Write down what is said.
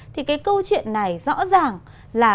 thì cái câu chuyện này rõ ràng là